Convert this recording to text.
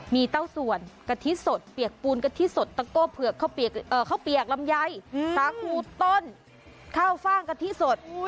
มีเต้าส่วนกะทิสดเปียกปูนกะทิสดตะโก้เผือกข้าวเปียกลำไยสาคูต้นข้าวฟ่างกะทิสด